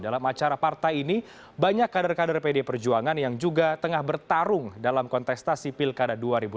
dalam acara partai ini banyak kader kader pd perjuangan yang juga tengah bertarung dalam kontestasi pilkada dua ribu delapan belas